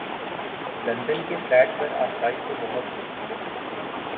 London کے flat پر آسائش تو بہت ہوں۔